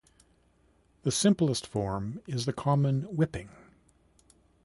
The simplest form is the common whipping.